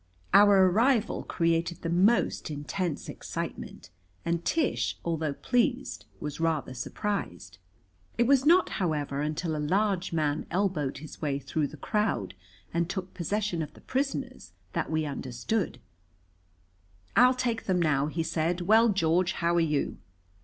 Our arrival created the most intense excitement, and Tish, although pleased, was rather surprised. It was not, however, until a large man elbowed his way through the crowd and took possession of the prisoners that we understood. "I'll take them now," he said. "Well, George, how are you?"